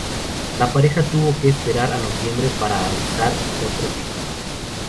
La pareja tuvo que esperar a noviembre para alzar otro título.